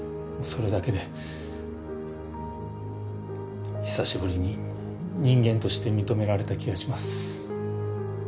それだけで久しぶりに人間として認められた気がします。